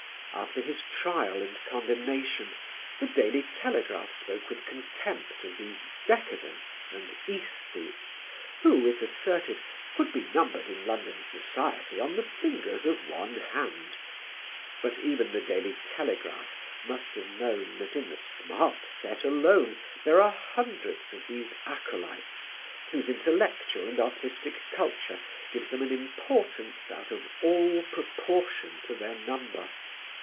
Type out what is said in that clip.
After his trial and condemnation The Daily Telegraph spoke with contempt of these "decadents" and "æsthetes" who, it asserted, "could be numbered in London society on the fingers of one hand"; but even The Daily Telegraph must have known that in the "smart set" alone there are hundreds of these acolytes whose intellectual and artistic culture gives them an importance out of all proportion to their number.